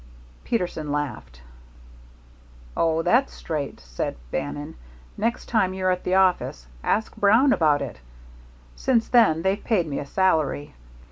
Peterson laughed. "Oh, that's straight," said Bannon. "Next time you're at the office, ask Brown about it. Since then they've paid me a salary.